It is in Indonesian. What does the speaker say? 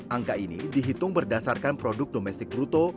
angka ini dihitung berdasarkan produk domestik bruto